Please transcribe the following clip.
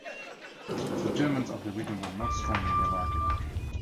The Germans of the region were not strongly hierarchical.